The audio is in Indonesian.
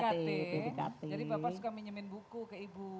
jadi bapak suka minyamin buku ke ibu